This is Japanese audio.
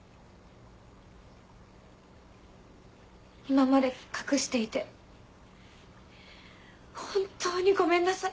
今まで隠していて本当にごめんなさい。